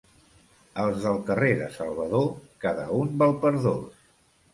Els del carrer de Salvador, cada un val per dos.